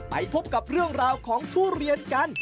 ไปพบกับเรื่องราวของทุเรียนกัน